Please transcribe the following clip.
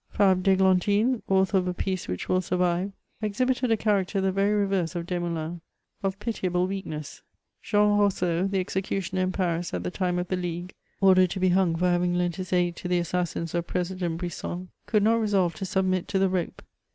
Fabre d'Eglantine, author of a peoe which will survive, exhibited a character the very reverse of Desmoulins, — of piti able weakness. Jean Roseau, the executioner in Paris at the time ci the League, ordered to be hung £ot having lent his aid to the assassins of President Brisson, could not resolve to sub mit to the rope.